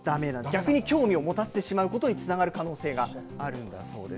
逆に興味を持たせてしまうことにつながる可能性があるんだそうです。